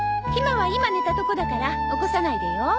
ひまは今寝たとこだから起こさないでよ。